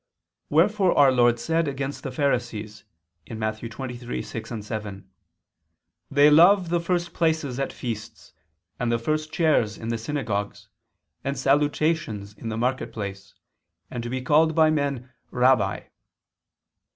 Wherefore our Lord said against the Pharisees (Matt. 23:6, 7): "They love the first places at feasts, and the first chairs in the synagogues, and salutations in the market place, and to be called by men, Rabbi."